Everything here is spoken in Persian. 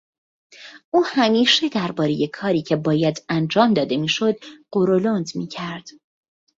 او همیشه دربارهی کاری که باید انجام داده میشد غرولند میکرد.